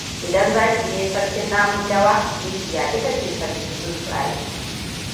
Idan zaki ne sarkin namun dawa, mikiya ita ce sarkin tsuntsaye.